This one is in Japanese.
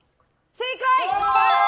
正解！